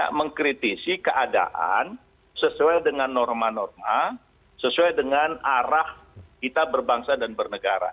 kita mengkritisi keadaan sesuai dengan norma norma sesuai dengan arah kita berbangsa dan bernegara